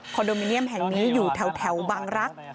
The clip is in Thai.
โดมิเนียมแห่งนี้อยู่แถวบางรัก